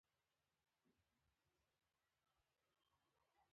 او زرینې ترور ته دروازه پرانیزه!